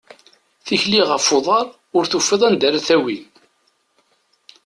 Tikli ɣef uḍar, ur tufiḍ anda ara t-tawi.